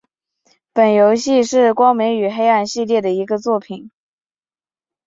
本游戏是光明与黑暗系列的一个作品。